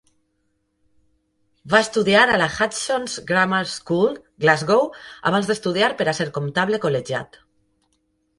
Va estudiar a la Hutchesons' Grammar School, Glasgow, abans d'estudiar per a ser comptable col·legiat.